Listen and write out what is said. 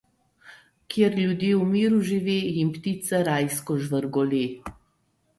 Kjer ljudje v miru žive, jim ptice rajsko žvrgole.